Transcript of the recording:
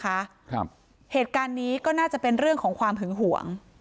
ครับเหตุการณ์นี้ก็น่าจะเป็นเรื่องของความหึงหวง